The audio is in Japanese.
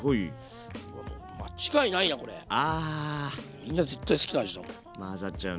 みんな絶対好きな味だ。